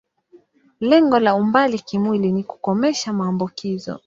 Lengo la umbali kimwili ni kukomesha maambukizo.